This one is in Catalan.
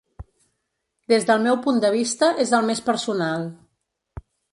Des del meu punt de vista és el més personal.